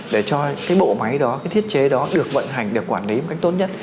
để cho cái bộ máy đó cái thiết chế đó được vận hành để quản lý một cách tốt nhất